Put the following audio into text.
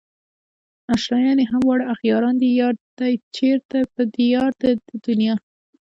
اشنايان يې همه واړه اغياران دي يار دئ چيرې په ديار د دې دنيا